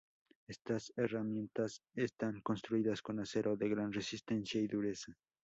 Estas herramientas están construidas con acero de gran resistencia y dureza.